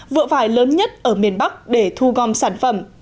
vựa vải lớn nhất ở miền bắc để thu gom sản phẩm